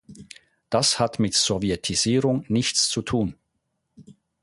Das hat mit Sowjetisierung nichts zu tun.